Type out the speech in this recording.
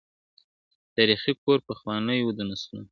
تاریخي کور پخوانی وو د نسلونو ,